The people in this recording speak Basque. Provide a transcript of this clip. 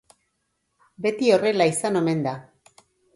Beti horrela izan omen da.